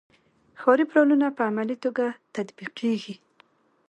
ښاري پلانونه په عملي توګه تطبیقیږي.